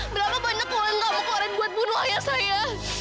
berapa banyak uang kamu keluarin buat bunuh ayah saya